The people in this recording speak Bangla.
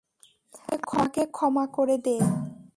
আমাকে ক্ষমা করে দে।